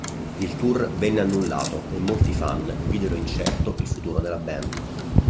Il tour venne annullato e molti fan videro incerto il futuro della band.